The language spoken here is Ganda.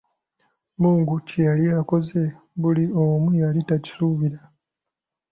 Mungu kye yali akoze, buli omuyali takisuubira!